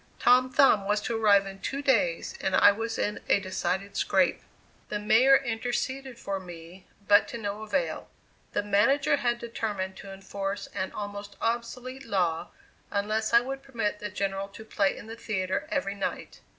Tom Thumb was to arrive in two days and I was in a decided scrape. The mayor interceded for me, but to no avail; the manager had determined to enforce an almost obsolete law unless I would permit the General to play in his theatre every night.